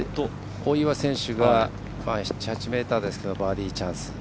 大岩選手が７８ｍですがバーディーチャンス。